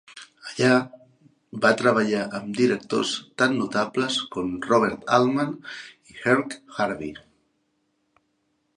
Allà va treballar amb directors tan notables com Robert Altman i Herk Harvey.